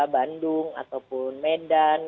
bandung ataupun medan